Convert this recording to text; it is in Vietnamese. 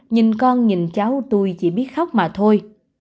nhìn con nhìn cháu tôi chỉ biết khóc mà thôi